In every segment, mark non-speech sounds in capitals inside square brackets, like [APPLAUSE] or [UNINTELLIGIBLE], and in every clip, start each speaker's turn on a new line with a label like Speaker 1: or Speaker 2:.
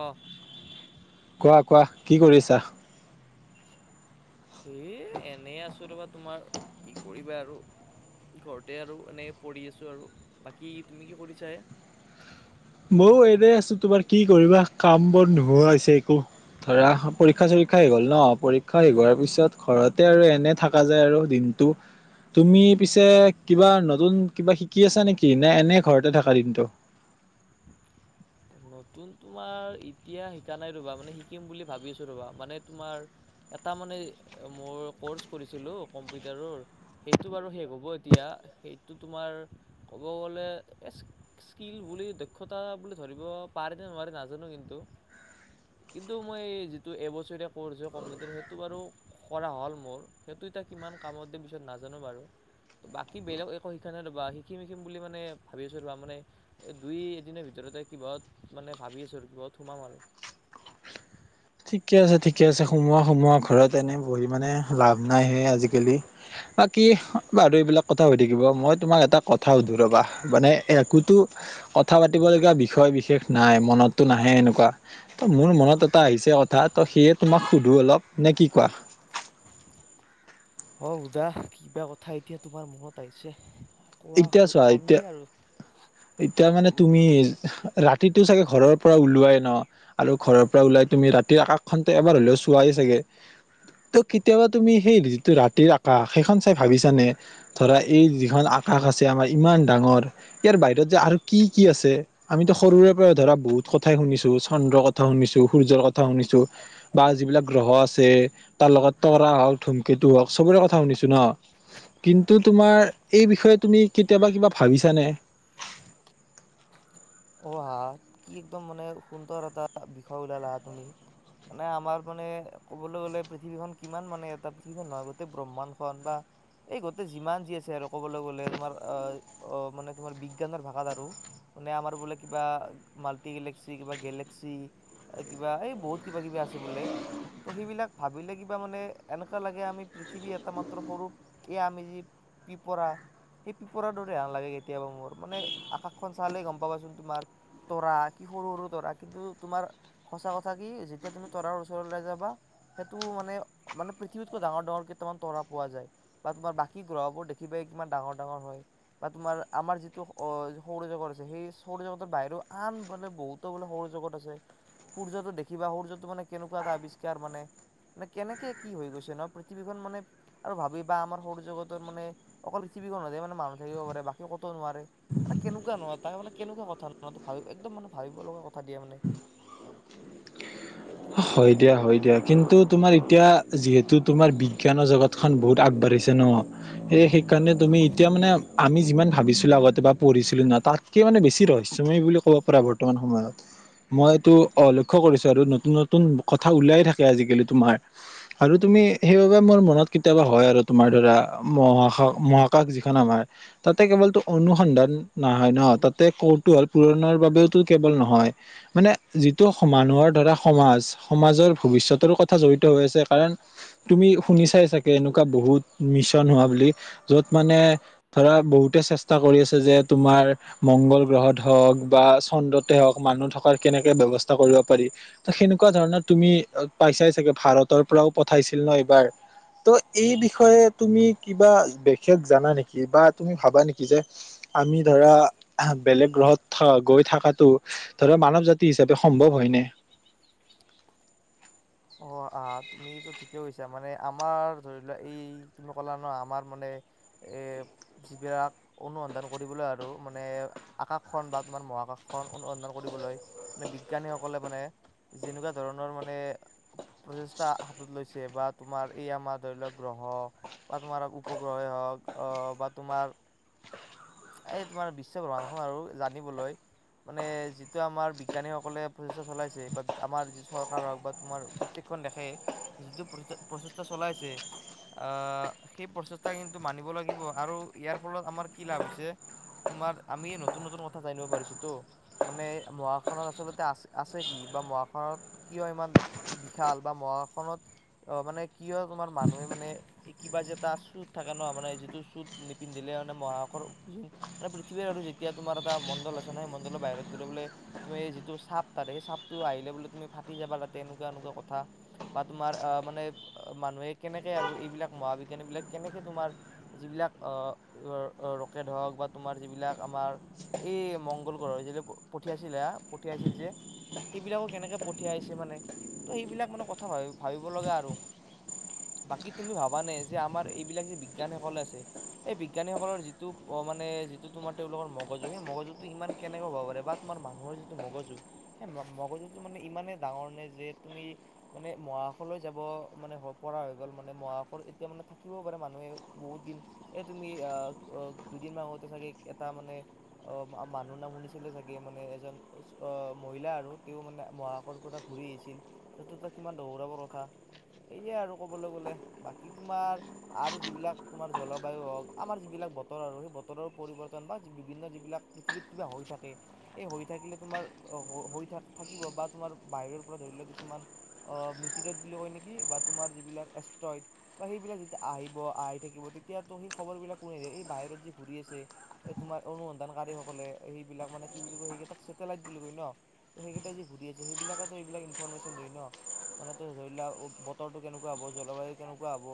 Speaker 1: Off
Speaker 2: কোৱা কোৱা কি কৰিছা
Speaker 1: এ এনে আছো ৰপা তোমাৰ কি কৰিবা আৰু ঘৰতে আৰু এনেই পৰি আছোঁ আৰু বাকী তুমি কি কৰিছা হে
Speaker 2: ময়ো এনে আছো তোমাৰ কি কৰিবা কাম বন নোহোৱা হৈছে একো ধৰা পৰীক্ষা চীক্ষা শে গ'ল ন পৰীক্ষা হেোৱাৰ পিছত ঘৰতে আৰু এনে থকা যায় আৰু দিন কিন্তু তুমি পিছে কিবা নতুন কিবা শিকি আছা নেকি নে এনে ঘৰতে থকা দিনটো উ
Speaker 1: নতুন তোমাৰ এতিয়া শিকা নাই ৰ'বা মানে শিকিম বুলি ভাবিছো ৰ'বা মানে তোমাৰ তাৰ মানে মোৰ ক'ৰ্চ কৰিছিলোঁ কম্পিউটাৰৰ সেইটো বাৰু শেষ হ'ব এতিয়া সেইটো তোমাৰ ক'ব গ'লে স্কিল বুলি দক্ষতা বুলি ধৰিব পাৰিম নে নোৱাৰি নাজানো কিন্তু কিন্তু মই যিটো এবছৰীয়া ক'ৰ্ছ হয় কম্পিউটাৰ সেইটো বাৰু কৰা হ'ল মোৰ সেইটো য়া কিমান কামত দিয়ে পিছত নাজানো বাৰু বাকী বেলেগ একো শিকা নাই ৰবা শিকিম- শিকিম বুলি মানে ভাবি আছো ৰব মানে এই দুই এ দিনৰ ভিতৰত। কিবা মানে ভাবি আছোঁ আৰু কিব সোমাম আৰু।
Speaker 2: ঠিকে আছে ঠিকে আছে সোমোৱা সোমোৱা ঘৰত এনেই বহি মানে লাভ নাই সেই আজিকালি ব কি বাৰু এইবিলাক কথা হৈ থাকিব মই তোমাক এটা কথা সধ ৰবা মানে একোতো কথা পাতিব লগগীয়া বিষয় বিশেষ নাই মনতটো নাহে এনেকুৱা ত মোৰ মনত এটা আহিছে। তোমাক স অ ক [INAUDIBLE]
Speaker 1: অ' সুধা কিবা কথা এতিয়া তোমাৰ মনত আহিছে, কোৱা
Speaker 2: এতিয়া চোৱা
Speaker 1: কম
Speaker 2: এতিয়া
Speaker 1: দিয়ে আৰু।
Speaker 2: এতিয়া মানে তুমি ৰাতিতটো চাগে ঘৰৰ পৰা ওলোৱাই ন আৰু ঘৰৰ পৰা ওলাই তুমি ৰাতিৰ আকাশখনতে এবাৰ হ'লেও চোৱাই চাগে ত' কেতিয়াবা তুমি সেই যিটো ৰাতিৰ আকাশ সেইখন চাই ভাবিছানে ধৰা এই যিখন শাক আছে আমাৰ ইমান ডাঙৰ ইয়াৰ বাই যে আৰু কি কি আছে আমিতো সৰুৰে পৰা ধৰা বহুত কথাই শুনিছো চন্দ্ৰ কথা শুনিছো সূৰ্য শুনিছো বা যিবিলাক গ্ৰহ আছে তাৰ লগত তৰা হওক ধুমকেতু হওক চবৰে কথা শুনিছো ন কিন্তু তোমাৰ এই বিষয়ে তুমি কেতিয়াবা কিবা ভাবিছানে
Speaker 1: অ হা, কি একদম মানে সুন্দৰ এটা বিষয় ওলালা হা তুমি। মানে আমাৰ মানে ক'বলৈ গ'লে পৃথিৱীখন কিমান মানে এটা পৃথিৱীখন নহয় গোটেই ব্ৰহ্মাণ খন বা এই গোটেই যিমান যি আছে আৰু ক'বলৈ গ'লে তোমাৰ আহ অ মানে তোমাৰ বিজ্ঞানৰ ভাষাত আৰু। মানে আমাৰ বোলে কিবা মাল্টি গলেক্সি কিবা গেলেক্সি। এ কিবা এই বহুত কিবা-কিবি আছে বোলে। ত' সেইবিলাক ভাবিলে কিবা মানে এনেকুৱা লাগে আমি পৃথিৱী এটা মাত্ৰ সৰু এয়া আমি যি পিপৰা সেই পিপৰা দৰে হান লাগে কেতিয়াবা মোৰ মানে আকাশখন চালে গম পাবাচোন তোমাৰ তৰা কি সৰু-সৰু তৰা, কিন্তু তোমাৰ সঁচা কথা কি যেতিয়া তুমি তৰাৰ ওচৰলৈ যাবা সেইটোও মানে মানে পৃথিৱীতকৈ ডাঙৰ-ডাঙৰ কেইটামান তৰা পোৱা যায় বা তোমাৰ বাকী গ্ৰহবোৰ দেখিকে নে কিমান ডাঙৰ-ডাঙৰ হয় বা তোমাৰ আমাৰ যিটো অ সৌৰজগত আছে সেই সৰু জগতৰ বাহিৰ আন বোলে বহুতো বোলে সৌ জগত আছে। সূৰ্যটো দেখিবা সূৰ্যটো মানে কেনেকুৱা এটা আৱিষ্কাৰ মানে। মানে কেনেকে কি হৈ গৈছে নহ পৃথিৱীখন মানে আৰু ভাবি বাা আমাৰ সৌৰ জগতৰ মানে অকল মানোনুহ থাকিব পাৰে বাক কতো নোৱাৰে মানে কেনেকুৱা নোৱা তাক মানে। কেনেকুৱা কথা ন, ভাবিব একদম মানে ভাবিব লগা কথা দিয়া মানে।
Speaker 2: হয় দিয়া, হয় দিয়া কিন্তু তুমাৰ এতিয়া যিহেতু তোমাৰ বিজ্ঞানৰ জগতখনন বহুত আগবাঢ়িছ ছে ন' সে সেইকাৰণে তুমি এতিয়া মানে আমি যিমান ভাবিছিলো আগতে বা পঢ়িছিলো ন' তাতকে মানে বেছি ৰহস্যময় বুলি ক'ব পাৰা বৰ্তমান সময়ত মই এইটো অ', লক্ষ্য কৰিছো আৰু নতুন নতুন নতুন কথা উলিয়াই থাকে আজিকালি তোমাৰ আৰু তুমি সেইবাবে মোৰ মনত কেতিয়াবা হয় আৰু তোমাৰ ধৰা মহখহ মহাকাশ যিখন আমাৰ তাতে কেৱলতো অনুসন্ধান নহয় ন' তাত তে কৌতুহল পুৰণৰ বাবেওতো কেৱল নহয় মানে যিটো মানুহৰ ধৰা সমাজ সমাজৰ ভৱিষ্যতৰ কথা জড়িত হৈ আছে কাৰণ তুমি শুনি চাই চাগে এনেকুৱা বহুত মিছন হোৱা বুলি য'ত মানে ধৰা বহুত তে চেষ্টা কৰি আছে যে তোমাৰ মংগল গ্ৰহত হওঁক বা চন্দ্ৰতে হওঁক মানুহ থকাৰ তেনেকে ব্যৱস্থা কৰিব পাৰি ত' সেনেক এনেকুৱা ধৰণৰ তুমি পাইছাই চাগে ভাৰতৰ পৰাও পঠাইছিল ন এইবাৰ ত' এই বিষয়ে তুমি কিবা বিশেষ জানা নেকি বা তুমি ভাবা নেকি যে আমি ধৰা বেলেগ গ্ৰহত গৈ থকাতো ধৰা মানৱ জাতি হিচাপে সম্ভৱ হয় নে [INAUDIBLE]
Speaker 1: অ আহ তুমিতো ঠিকেই কৈছা মানে আমাৰ ধৰি লোৱা এই তুমি ক'লা ন আমাৰ মানে এ যিবিলাক অনুসন্ধান কৰিবলৈ আৰু মানে আকাশখন বা তোমাৰ মহা আকাশখন অনুসন্ধান কৰিবলৈ মানে বিজ্ঞানীসকলে মানে যেনেকুৱা ধৰণৰ মানে প্ৰচেষ্টা হাতত লৈছে বা তোমাৰ এই আমাৰ ধৰি লোৱাক গ্ৰহ বা তোমাৰ উপগ্ৰহ ধক অ বা তোমাৰ
Speaker 2: [INAUDIBLE]
Speaker 1: এই তোমাৰ বিশ্ব ভ্ৰমণখন আৰু জানিবলৈ মানে যিটো আমাৰ বিজ্ঞানীসকলে প্ৰচেষ্টা চলাইছে বা আমাৰ যি চৰকাৰ হওক বা তোমাৰ প্ৰত্যেকখন দেশে যিটো প্ৰচেষ্টা চলাইছে সেই প্ৰচেষ্টা কিন্তু মানিব লাগিব আৰু ইয়াৰ ফলত আমাৰ কি লাভ হৈছে তোমাৰ আমি নতুন নতুন কথা জানিব পাৰিছো তো মানে মহাকাশত খনত আচলতে আছে আছে কি বা মহাকাশখনত কিয় ইমান বিশাল বা মহাকাশত অ মানে কিয় তোমাৰ মানুহে মানে কিবা যে এটা চুত থাকে ন মানে যিটো চুত নিপিন্ধিলে লে মানে মহাকাশত পৃথিৱীৰ আৰু যেতিয়া তোমাৰ এটা মণ্ডল আছে নহ সেই মণ্ডলৰ বাহিৰত গ'লে বোলে তোমাৰ এই যিটো চাপ তাৰে সেই চাপটো আহিল বোলে তুমি ফাটি যাবা তাত তে এনেকুৱা এনেকুৱা কথা বা তোমাৰ মানে মানুহে কেনেকে আৰু এইবিলাক মহাবিজ্ঞানীবিলাক কেনেকে তোমাৰ যিবিলাক আহ ৰকেট হওক বা তোমাৰ যিবিলাক আমাৰ এই মংগল গ্ৰহ যিটো পঠিয়াইছিলা পঠিয়াইছিল যে সেইবিলাকো কেনেকে পঠিয়াইছে মানে ত' সেইবিলাক মানে কথা ভ ভাবিব লগা আৰু বাকী তুমি ভাবা নে যে আমাৰ এইবিলাক যে বিজ্ঞানীসকল আছে সেই বিজ্ঞানীসকলৰ যিটো মানে যিটো তোমাৰ তেওঁলোকৰ মগজু সেই মগজুতটো ইমান কেনেকুৱা হ'ব পাৰে বা তোমাৰ মানুহৰ যিটো মগজু মগজুতটো মানে ইমানেই ডাঙৰ নে যে তুমি মানে মহাকশলৈ যাব মানে পৰা হৈ গ'ল মানে মহাশত এতিয়া মানে থাকিব পাৰা মানুহে বহুত দিন এ তুমি আহ দুদিন মগতে চাগে এটা মানে অ অ মানুহ নাম শুনিছিলে চাগে মানে এজন অ মহিলা আৰু তেওঁও মানে মহাকৰ পৰা ঘূৰি আহিছিল ত কিমান দৌৰৱৰ কথা সেইয়াই আৰু কবলৈ গলে বাকী তোমাৰ আৰু যিবিলাক তোমাৰ জলবায়ু হওক আমাৰ যিবিলাক বতৰ আৰু সেই বতৰৰ পৰিৱৰ্তন বা বিভিন্ন যিবিলাক পৃথিৱীত কিবা হৈ থাকে সেই হৈ থাকিলে তোমাৰ অ হৈ থ থাকিব বা তোমাৰ বাহিৰৰ ধ লোৱা কিছুমান ম বুলি কয় নেকি বা তোমাৰ যিবিলাক এষ্ট্ৰইড বা সেইবিলাক আহিব আহি থাকিব তেতিয়াতো সেই খবৰ বিলাক কোনে দিয়ে এই বাহিৰত যি ঘূৰি আছে এই তোমাৰ অনুসন্ধান কাৰ লে সেইবিলাক মানে কি ক সেইেইেল বুলি ক ন সেইেই ঘছে সেইবিলাক এইবিলাক ইনফৰমেশ্যন দে ন মানে ত ধৰিলোৱা বতৰটো কেনেকুৱা হব জলবায়ু কেনেকুৱা হব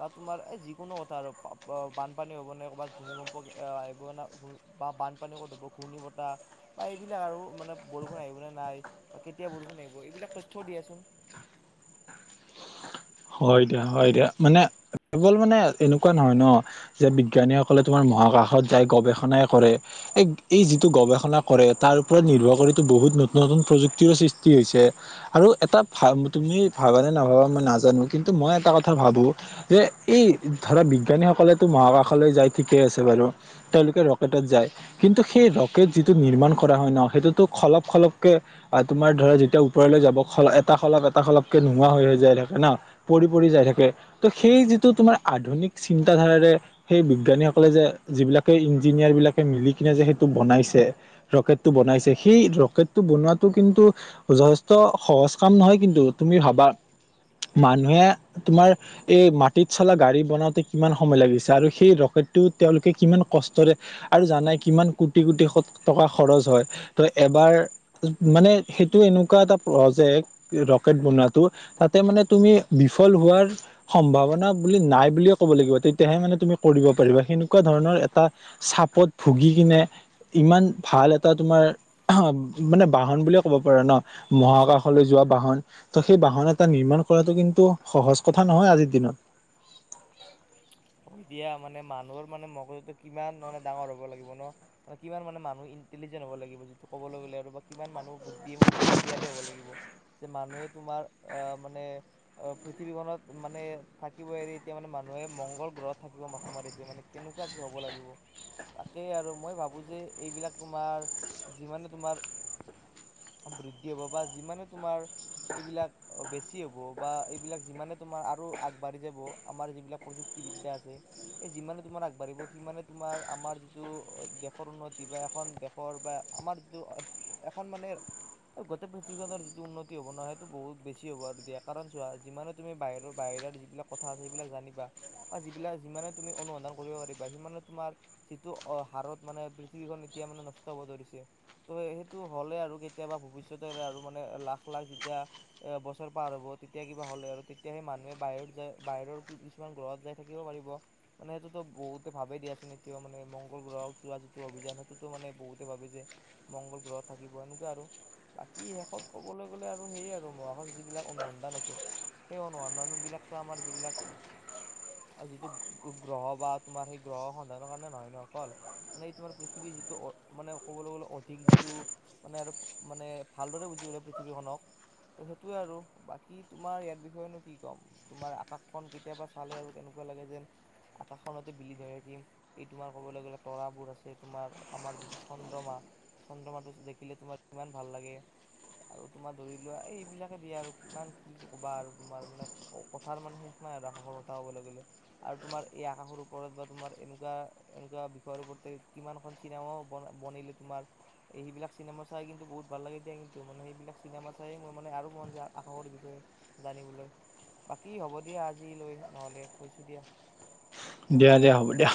Speaker 1: বা তোমাৰ এই যিকোনো কথা আৰু বানপানী হ'ব নে ক'ৰবাত ভূমিকম্প আহিব বা বানপানী ক'ত'ব ঘূৰ্ণী বতাহ বা এইবিলাক আৰু মানে বৰষুণ আহিবনে নাই এতিয়া বৰষুণ আহিব এইবিলাক তথ্যও দিয়াচোন
Speaker 2: হয় দিয়া হয় দিয়া মানে। কেৱল মানে এনেকুৱা নহয় ন যে বিজ্ঞানীসকলে তোমাৰ মহাকাশত যাই গৱেষণাই কৰে এ এই যিটো গৱেষণা কৰে তাৰ ওপৰত নিৰ্ভৰ কৰিতো বহুত নতুন নতুন প্ৰযুক্তিৰো সৃষ্টি হৈছে আৰু এটা ভ তুমি ভাবা নে নাভাবা মই নাজানো। কিন্তু মই এটা কথা ভাবো যে এই ধৰা বিজ্ঞানীসকলেতো মহাকাশলৈ যাই ঠিকে আছে ব তেওঁলোকে ৰকটত যায় কিন্তু সেই ৰকেট যিটো নিৰ্মাণ কৰা হয় ন সেইটোতো খল খল ক তোমাৰ ধৰা যেতিয়া ওপৰলৈ যাব এটা খলপ এটা খলপকে নোহোৱা হৈ হৈ যায় থাকে ন পৰি পৰি যায় থাকে তো সেই যিটো তোমাৰ আধুনিক চিন্তাধাৰাৰে সেই বিজ্ঞানীসকলে যে যিবিলাকে ইঞ্জিনিয়াৰ বিলাকে মিলি কিনে যে সেইটো বনাইছে ৰকেট টো বনাইছে সেই ৰকেট টো বনটো কিন্তু যথেষ্ট সহজ কাম নহয় কিন্তু তুমি ভাবা মান তোমাৰ এই মাটিত চলা গাড়ী বনাওতে কিমান সময় লাগিছে আৰু সেই ৰকটটোলোকে কিমান কষ্টৰে আৰু জানাই কিমান কোটি কোটি টকা খৰচ হয় ত এবাৰ মানে সেইটো এনেকুৱা এটা প্ৰজেক্ট ৰকেট বনোৱাটো তাতে মানে তুমি বিফল হোৱাৰ সম্ভাৱনা বুলি নাই বুলিয়ে ক'ব লাগিব তেতিয়াহে মানে তুমি কৰিব পাৰিবা সেনেকুৱা ধৰণ ৰ এটা চাপত ভুগি কিনে ইমান ভাল এটা তোমাৰ মানে বাহন বুলিয়ে ক'ব পাৰে ন মহাকাশলৈ যোৱা বাহন। ত সেই বাহন এটা নিৰ্মাণ কৰাটো কিন টো সহজ কথা নহয় আজিৰ দিনত।
Speaker 1: দিয়া মানে মানুহৰ মানে মগজুটো কিমান মানে ডাঙৰ হ'ব লাগিব ন মানে কিমান মানে মানুহ ই টিলিজেন হব লাগিব যিটো কবলৈ গ'লে কিমান মানুহ বুদ্ধিমো বুদ্ধিশালী হ'ব লাগিব। যে মানুহে তোমাৰ অ মানে অ পৃথিৱীখনত মানে থাকিব এৰি এতিয়া মানে মানুহ নহে মংগল গ্ৰহত থাকিব মাথা মাৰিছে মানে কেনেকুৱা কি হ'ব লাগিব। তাকেই আৰু মই ভাবোঁ যে এইবিলাক তোমাৰ যিমানে তোমাৰ বৃদ্ধি হ'ব বা যিমানে তোমাৰ এইবিলাক বেছি হব বা এইবিলাক যিমানে তোমাৰ আৰু আগবাঢ়ি যাব আমাৰ যিবিলাক প্ৰযুক্ত ক্তি বিদ্যা আছে। এই যিমানে তোমাৰ আগবাঢ়িব সিমানে তোমাৰ আমাৰ যিটো দেশৰ উন্নতি বা খন দেশৰ বা আমাৰ য এখন মানে গোটেই পৃথিৱীখনৰ যিটো উন্নতি হ'ব ন সেইটো বহুত বেছি হ'ব আৰু দিয়া কাৰণ চোৱা যিমানে তুমি বাহিৰৰ বাহিৰ জেগাৰ যিবিলাক কথা আছে সেইবিলাক জানিবা। বা যিবিলাক যিমানে তুমি অনুসন্ধান কৰিব পাৰিবা সিমানে তোমাৰ যিটো অ হাৰত মানে পৃথিৱীখন নিতিয়া মানে নষ্ট হব ধৰিছে ত সেইটো হ'লে আৰু কেতিয়াবা ভৱিষ্যতে মানে লাখ লাখ যি এতিয়া এ বছৰ পাৰ হ'ব তেতিয়া কিবা হ'লে আৰু তেতিয়া সেই মানুহে বাহিৰত যায় বাহিৰৰ কি ইছ কিমান গ্ৰহত যাই থাকিব পাৰিব মানে সেইটোতো বহুতে ভাবেেই দিয়াচোন এতিয়া মানে মংগল গ্ৰহ যোৱা যিটো টোতো মানে বহুতে ভাবে যে মংগল গ্ৰহত থাকিব এনেকুৱা আৰু বাকী শেষত ক'বলৈ গ'লে আৰু সেয়ে আৰু মহাকাশ যিবিলাক অনুসন্ধান আছে এই অনুসন্ধানবিলাকতো আমাৰ যিবিলাক
Speaker 2: [INAUDIBLE]
Speaker 1: আৰু যিটো গ্ৰহ বা তোমাৰ সেই গ্ৰহ সন্ধানৰ কাৰণে নহয় নহয় অকল মানে এই তোমাৰ পৃথিৱীৰ যিটো অ মানে ক'বলৈ গ'লে অধিক যিটো মানে আৰু মানে ভালদৰে বুজি পালে পৃথিৱীখনক ত' সেইটোয়ে আৰু বাকী তোমাৰ ইয়াৰ বিষয়েনো কি ক'ম তোমাৰ আকাশখন কেতিয়াবা ফালে আৰু তেনেকুৱা লাগে যেন আকাশখনতে বিলি ধৰে কিম এই তোমাৰ কবলে গ'লে তৰা বোৰ আছে তোম মাৰ আমাৰ যিটি চন্দ্ৰমা, চন্দ্ৰমাটো দেখিলে তোমাৰ কিমান ভাল লাগে। আৰু তোমাৰ ধৰি লোৱা এই এইবিলাকে দিয়া আৰু কিমান কি কবা আৰু তোমাৰ মানে কথাৰ মানে শে নাই [UNINTELLIGIBLE] হব লে আৰু তোমাৰ এই আকাশৰ ওপৰত বা তোমাৰ এনেকুৱা এনেকুৱা বিষয়ৰ ওপৰতে কিমান খন চিনেমাও বন বনিলে তোমাৰ সেইবিলাক চিনেমা চাই কিন্তু বহুত ভাল লাগে দিয়া কিন্তু মানে সেইবিলাক চিনেম মা চায়ে মোৰ মানে আৰু মন যায় আকাশৰ বিষয়ে জানিবলৈ বাকী হ'ব দিয়া আজিলৈ নহ'লে থৈছো দিয়া।
Speaker 2: দিয়া দিয়া হ'ব দিয়া।